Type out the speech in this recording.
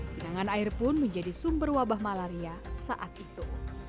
genangan air pun menjadi sumber wabah malaria saat itu